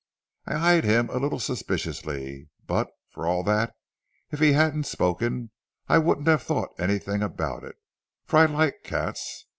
"I eyed him a little suspiciously; but, for all that, if he hadn't spoken, I wouldn't have thought anything about it, for I like cats.